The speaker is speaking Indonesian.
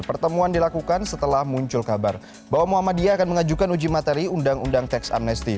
pertemuan dilakukan setelah muncul kabar bahwa muhammadiyah akan mengajukan uji materi undang undang teks amnesti